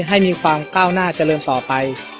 ให้มีความก้าวหน้าเจริญต่อไป